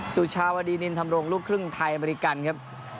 สุชาวดีนินธรรมรงลูกครึ่งไทยอเมริกันครับ